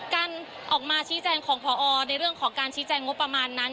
การออกมาชี้แจงของพอในเรื่องของการชี้แจงงบประมาณนั้น